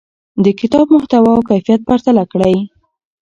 د کتاب محتوا او کیفیت پرتله کړئ.